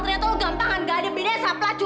ternyata lo gampang kan gak ada bina yang sahabat cur